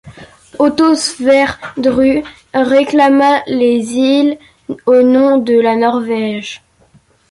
Otto Sverdrup réclama les îles au nom de la Norvège.